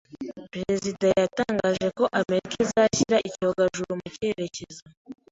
Perezida yatangaje ko Amerika izashyira icyogajuru mu cyerekezo.